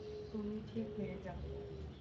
তুমি ঠিক হয়ে যাবে।